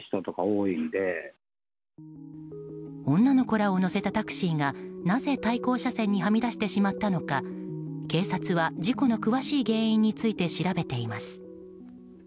女の子らを乗せたタクシーがなぜ対向車線にはみ出してしまったのか警察は事故の詳しい原因について調べています。